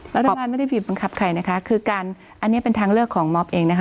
รัฐบาลไม่ได้ผิดบังคับใครนะคะคือการอันนี้เป็นทางเลือกของมอบเองนะคะ